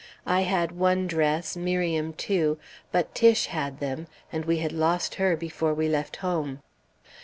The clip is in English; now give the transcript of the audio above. I had one dress, Miriam two, but Tiche had them, and we had lost her before we left home.